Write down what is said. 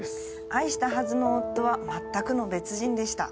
愛したはずの夫はまったくの別人でした。